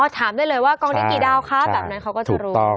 ถามได้เลยว่ากองนี้กี่ดาวคะแบบนั้นเขาก็จะรู้